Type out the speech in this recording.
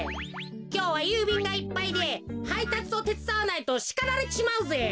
きょうはゆうびんがいっぱいではいたつをてつだわないとしかられちまうぜ。